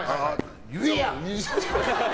言えや！